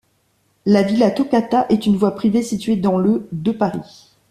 La villa Toccata est une voie privée située dans le de Paris.